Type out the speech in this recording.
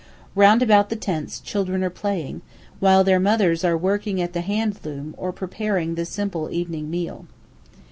Round about the tents children are playing, while their mothers are working at the hand loom, or preparing the simple evening meal.